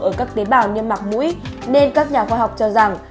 ở các tế bào như mạc mũi nên các nhà khoa học cho rằng